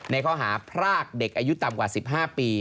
ในข้อหาพรากเด็กอายุต่ำกว่า๑๕ปี